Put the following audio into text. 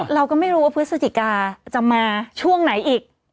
เราก็ไม่รู้ว่าพฤศจิกาจะมาช่วงไหนอีก